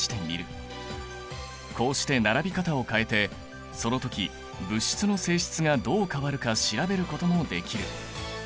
こうして並び方を変えてその時物質の性質がどう変わるか調べることもできる。